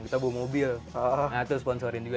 kita bawa mobil nah itu sponsorin juga